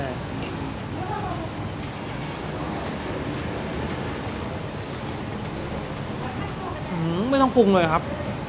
อื้อไม่ต้องพรุงเลยครับ